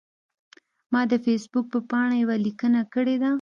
ما د فیسبوک په پاڼه یوه لیکنه کړې ده.